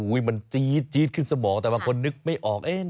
อุ้ยมันจี๊ดจี๊ดขึ้นสมองแต่บางคนนึกไม่ออกเอง